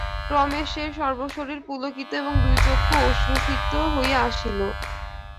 রমেশের সর্বশরীর পুলকিত এবং দুই চক্ষু অশ্রুসিক্ত হইয়া আসিল।